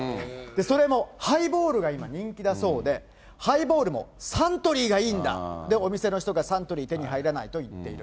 それもハイボールが今、人気だそうで、ハイボールもサントリーがいいんだ、お店の人がサントリー手に入らないと言っている。